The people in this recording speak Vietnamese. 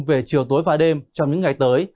về chiều tối và đêm trong những ngày tới